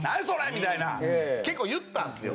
みたいな結構言ったんですよ。